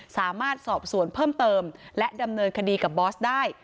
สามารถสอบสวนเพิ่มเติมและดำเนินคดีกับบอสได้